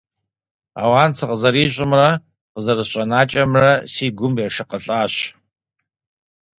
Ауан сыкъызэрищӀымрэ къызэрысщӀэнакӀэмрэ си гум ешыкъылӀащ.